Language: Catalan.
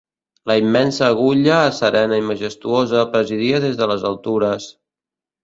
La immensa agulla, serena i majestuosa, presidia des de les altures